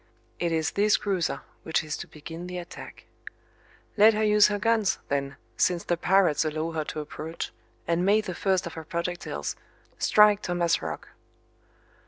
It is this cruiser which is to begin the attack. Let her use her guns, then, since the pirates allow her to approach, and may the first of her projectiles strike Thomas Roch!